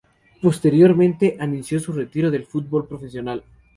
Posteriormente, anunció su retiro del fútbol profesional.